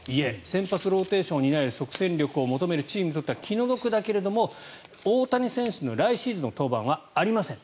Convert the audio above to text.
先発ローテーションを担える即戦力を求めるチームにとっては気の毒だけど大谷選手の来シーズンの登板はありません。